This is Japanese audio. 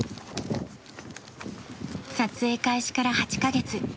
撮影開始から８カ月。